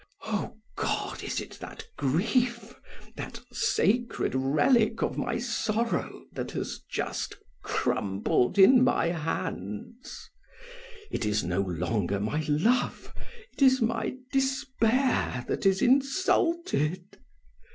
O God! it is that grief, that sacred relic of my sorrow that has just crumbled in my hands! It is no longer my love, it is my despair that is insulted.